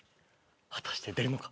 はたして、出るのか